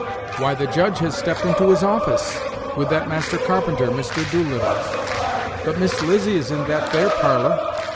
"Why, the Judge has stepped into his office, with that master carpenter, Mister Doolittle; but Miss Lizzy is in that there parlor.